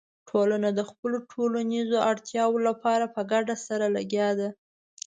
ټولنه د خپلو ټولنیزو اړتیاوو لپاره په ګډه سره لګیا ده.